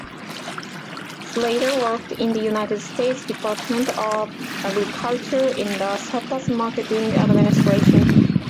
Slater worked in the United States Department of Agriculture in the Surplus Marketing Administration.